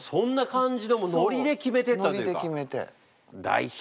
ノリで決めて。